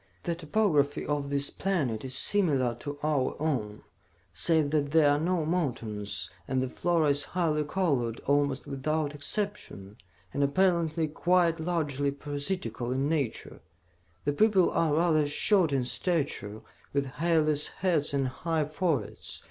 "The topography of this planet is similar to our own, save that there are no mountains, and the flora is highly colored almost without exception, and apparently quite largely parasitical in nature. The people are rather short in stature, with hairless heads and high foreheads.